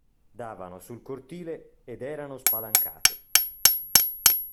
Davano sul cortile ed erano spalancate.